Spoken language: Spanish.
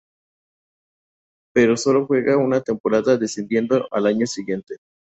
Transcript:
Pero sólo juega una temporada, descendiendo al año siguiente.